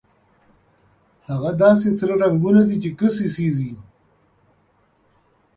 هغه داسې سره رنګونه دي چې کسي سېزي.